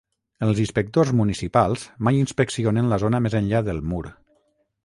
Els inspectors municipals mai inspeccionen la zona més enllà del Mur.